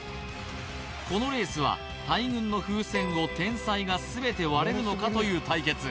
このレースは大群の風船を天才が全て割れるのかという対決